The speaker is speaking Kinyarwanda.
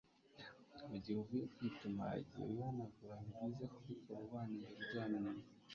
mu gihe uvuye kwituma, igihe wihanagura ni byiza kubikora uvana imbere ujyana inyuma